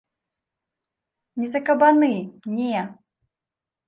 Не за кабаны, не.